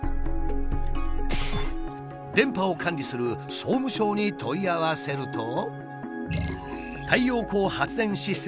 電波を管理する総務省に問い合わせると。